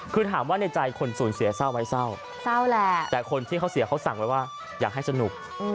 คือถามว่าในใจคนสูญเสียเศร้าไหมเศร้าเศร้าแหละแต่คนที่เขาเสียเขาสั่งไว้ว่าอยากให้สนุก